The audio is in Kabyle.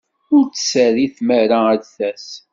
Ur tt-terri tmara ad d-tas.